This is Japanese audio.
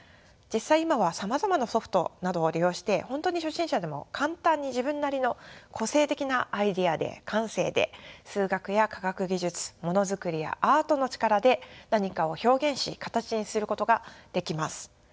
実際今はさまざまなソフトなどを利用して本当に初心者でも簡単に自分なりの個性的なアイデアで感性で数学や科学技術ものづくりやアートの力で何かを表現し形にすることができます。